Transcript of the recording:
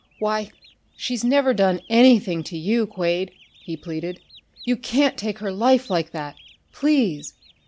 "Why, she's never done anything to you, Quade!" he pleaded. "You can't take her life like that! Please!